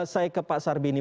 saya ke pak sarbini